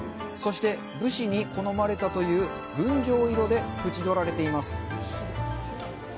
そして、武士に好まれたという群青色で縁取られています。